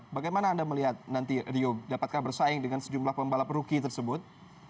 bagaimana anda melihat nanti rio dapatkah bersaing dengan sejumlah pembalap rookie tersebut